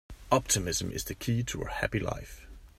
Optimism is the key to a happy life.